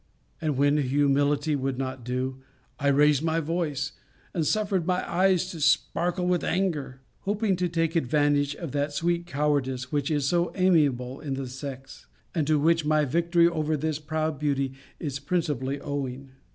And when humility would not do, I raised my voice, and suffered my eyes to sparkle with anger; hoping to take advantage of that sweet cowardice which is so amiable in the sex, and to which my victory over this proud beauty is principally owing.